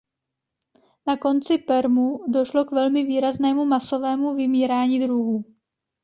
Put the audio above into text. Na konci permu došlo k velmi výraznému masovému vymírání druhů.